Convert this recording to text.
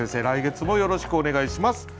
来月もよろしくお願いします。